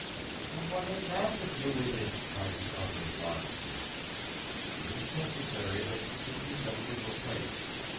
"But what has that to do with it?" cried the other wildly. "It is necessary that you should remember your place.